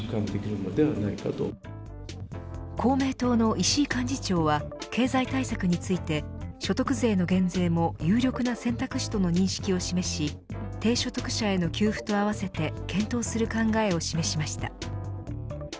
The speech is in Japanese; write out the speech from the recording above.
公明党の石井幹事長は経済対策について所得税の減税も有力な選択肢との認識を示し低所得者への給付と合わせて検討する考えを示しました。